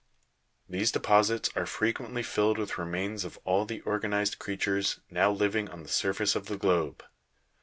These deposits are frequently filled with remains of all the organized creatures now living 1 on the surface of the globe.